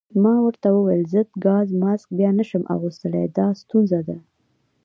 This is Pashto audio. ما ورته وویل: ضد ګاز ماسک بیا نه شم اغوستلای، دا ستونزه ده.